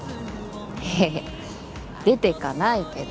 いやいや出てかないけど。